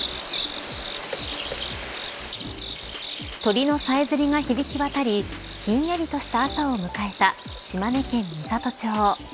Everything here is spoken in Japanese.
鳥のさえずりが響き渡りひんやりとした朝を迎えた島根県美郷町。